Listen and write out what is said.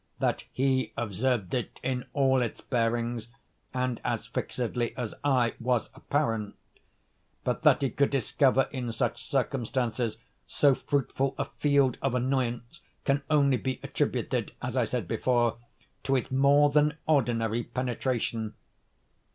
That he observed it in all its bearings, and as fixedly as I, was apparent; but that he could discover in such circumstances so fruitful a field of annoyance, can only be attributed, as I said before, to his more than ordinary penetration.